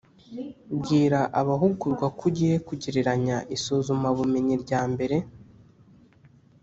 Bwira abahugurwa ko ugiye kugereranya isuzumabumenyi rya mbere